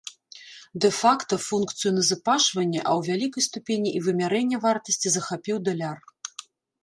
Дэ-факта функцыю назапашвання, а ў вялікай ступені і вымярэння вартасці захапіў даляр.